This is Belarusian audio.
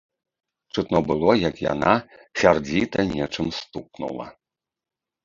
Чутно было, як яна сярдзіта нечым стукнула.